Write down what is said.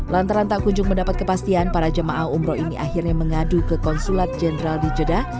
lantaran tak kunjung mendapat kepastian para jemaah umroh ini akhirnya mengadu ke konsulat jenderal di jeddah